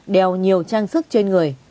đeo nhiều trang sức trên người